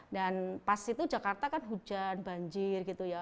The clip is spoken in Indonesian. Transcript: dan pas itu jakarta kan hujan banjir gitu ya